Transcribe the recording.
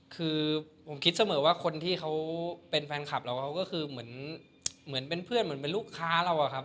คือผมคิดเสมอว่าคนที่เขาเป็นแฟนคลับเราเขาก็คือเหมือนเป็นเพื่อนเหมือนเป็นลูกค้าเราอะครับ